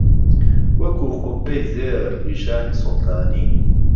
وهکوو قوببەی زێڕ ئی شانی سوڵتانی